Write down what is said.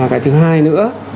cái thứ hai nữa